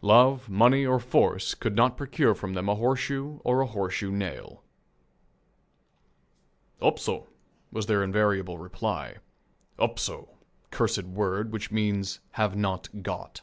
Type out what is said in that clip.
Love, money, or force could not procure from them a horseshoe or a horseshoe nail. "Upso," was their invariable reply. "Upso," cursed word, which means "Have not got."